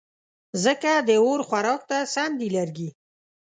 ځکه د اور خوراک ته سم دي لرګې